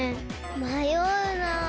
まような。